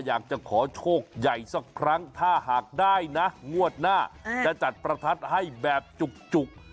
อยากจะขอโชคใหญ่สักครั้งถ้าหากได้นะงวดหน้าจะจัดประทัดให้แบบจุก